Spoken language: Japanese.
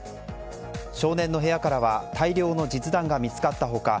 少年の部屋からは大量の実弾が見つかった他